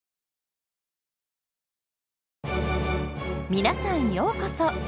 皆さんようこそ！